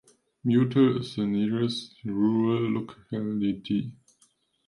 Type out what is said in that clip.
Mutal is the nearest rural locality.